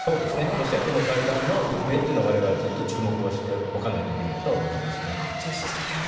ロシアとの会談の行方は我々はずっと注目しておかないといけないと思います。